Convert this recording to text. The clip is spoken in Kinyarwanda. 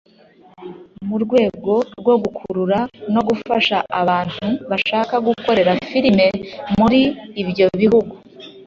mu rwego rwo gukurura no gufasha abantu bashaka gukorera filime muri ibyo bihugu